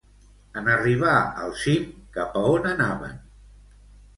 En arribar al cim, cap a on anaven?